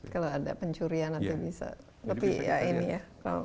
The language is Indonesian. kalau ada pencurian nanti bisa